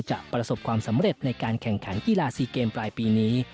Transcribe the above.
ประสบความสำเร็จในการแข่งขันกีฬาซีเกมปลายปีนี้